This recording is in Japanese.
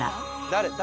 誰？